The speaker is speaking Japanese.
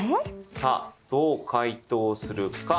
さあどう解答するか。